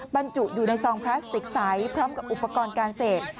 บรรจุอยู่ในซองพลาสติกใสพร้อมกับอุปกรณ์การเสพ